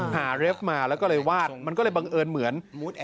เรฟมาแล้วก็เลยวาดมันก็เลยบังเอิญเหมือน